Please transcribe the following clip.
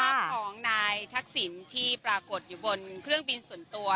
ภาพของนายทักษิณที่ปรากฏอยู่บนเครื่องบินส่วนตัว